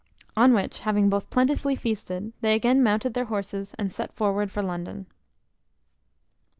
On which, having both plentifully feasted, they again mounted their horses, and set forward for London.